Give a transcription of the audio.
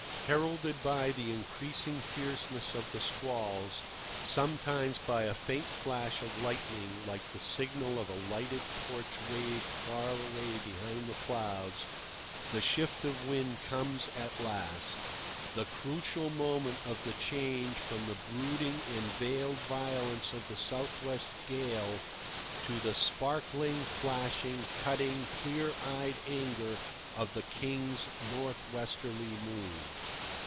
Heralded by the increasing fierceness of the squalls, sometimes by a faint flash of lightning like the signal of a lighted torch waved far away behind the clouds, the shift of wind comes at last, the crucial moment of the change from the brooding and veiled violence of the south west gale to the sparkling, flashing, cutting, clear eyed anger of the King's north westerly mood.